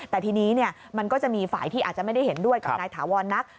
แต่ทีนี้มันก็จะมีฝ่ายที่อาจจะไม่ได้เห็นด้วยกับนายถาวรนัก